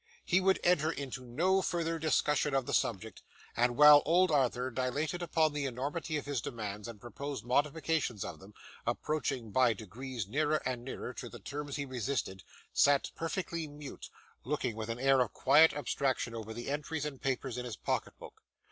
He would enter into no further discussion of the subject, and while old Arthur dilated upon the enormity of his demands and proposed modifications of them, approaching by degrees nearer and nearer to the terms he resisted, sat perfectly mute, looking with an air of quiet abstraction over the entries and papers in his pocket book.